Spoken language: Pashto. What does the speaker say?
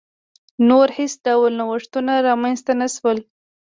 نور هېڅ ډول نوښتونه رامنځته نه شول.